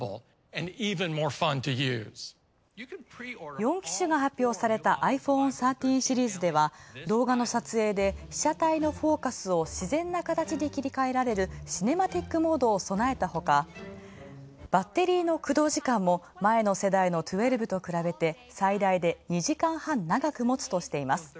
４機種が発表されたアイフォーン１３シリーズでは動画の撮影で、被写体のフォーカスを自然なかたちで切り替えられるシネマティックモードを備えたほか、バッテリーの駆動時間も前の世代の１２と比べて、最大で２時間半長く持つとしています。